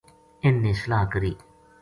اِنھ نے صلاح کری